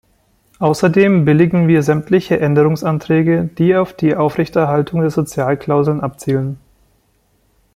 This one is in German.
Außerdem billigen wir sämtliche Änderungsanträge, die auf die Aufrechterhaltung der Sozialklauseln abzielen.